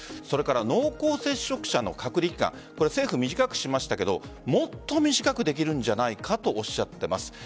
それから濃厚接触者の隔離期間政府は短くしましたがもっと短くできるんじゃないかとおっしゃっています。